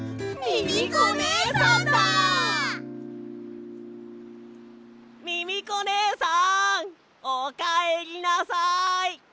ミミコねえさんおかえりなさい！